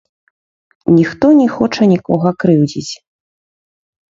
Ніхто не хоча нікога крыўдзіць.